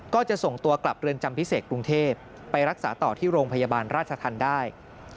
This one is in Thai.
ก็จะส่งตัวกลับเรือนจำพิเศษกรุงเทพไปรักษาต่อที่โรงพยาบาลราชธรรมได้